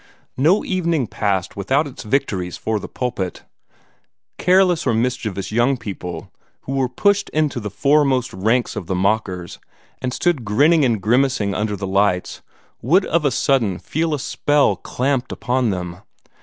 No evening passed without its victories for the pulpit. Careless or mischievous young people who were pushed into the foremost ranks of the mockers, and stood grinning and grimacing under the lights, would of a sudden feel a spell clamped upon them.